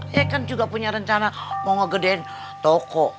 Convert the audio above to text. saya kan juga punya rencana mau ngegedein toko